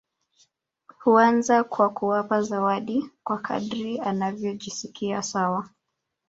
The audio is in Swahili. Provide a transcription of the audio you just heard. Huanza kwa kuwapa zawadi kwa kadri anavyojisikia sawa